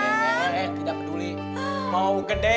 eh eh eh eh tidak peduli mau gede